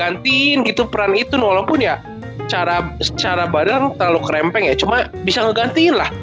gantiin gitu peran itu walaupun ya secara barang terlalu kerempeng ya cuma bisa ngeganti lah